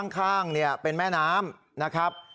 ข้างเป็นแม่น้ำนะครับ